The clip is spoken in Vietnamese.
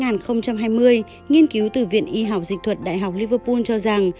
năm hai nghìn hai mươi nghiên cứu từ viện y học dịch thuật đại học liverpool cho rằng